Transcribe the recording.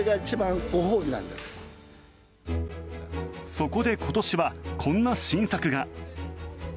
そこで今年は、こんな新作が。